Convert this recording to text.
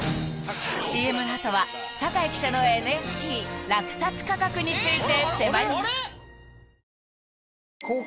ＣＭの後は酒井記者のＮＦＴ落札価格について迫ります